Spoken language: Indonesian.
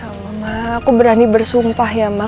ya allah ma aku berani bersumpah ya ma